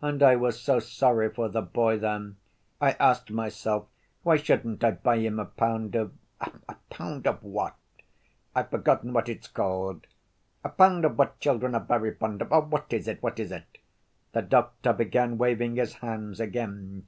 And I was so sorry for the boy then; I asked myself why shouldn't I buy him a pound of ... a pound of what? I've forgotten what it's called. A pound of what children are very fond of, what is it, what is it?" The doctor began waving his hands again.